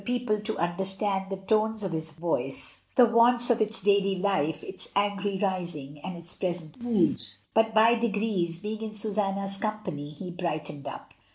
people to understand the tones of its voice, the wants of its*daily life, its angry rising, and its present mood. But by degrees, being in Susanna's company, he brightened up.